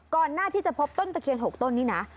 ก่อนหน้าที่จะพบต้นตะเคียน๖ต้นนี้นะ